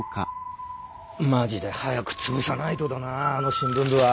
マジで早く潰さないとだなあの新聞部は。